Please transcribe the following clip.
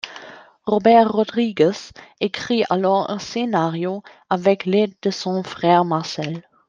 Robert Rodriguez écrit alors un scénario, avec l'aide de son frère Marcel.